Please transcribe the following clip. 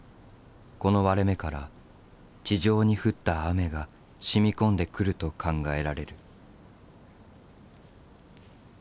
この割れ目から地上に降った雨が染み込んでくると考えられる。